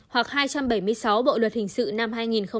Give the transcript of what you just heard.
hoặc hai trăm bảy mươi sáu bộ luật hình sự năm hai nghìn một mươi năm